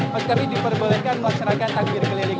mas kami diperbolehkan melaksanakan takbir keliling